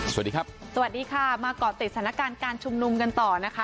สวัสดีครับสวัสดีค่ะมาเกาะติดสถานการณ์การชุมนุมกันต่อนะคะ